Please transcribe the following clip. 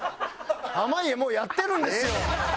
もうやってるんですよ！